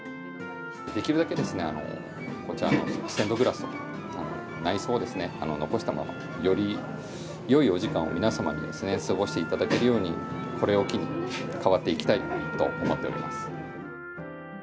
できるだけですね、こちらステンドグラスと内装は残したまま、よりよいお時間を皆様に過ごしていただけるように、これを機に変わっていきたいと思っております。